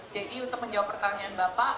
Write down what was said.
jadi untuk menjawab pertanyaan bapak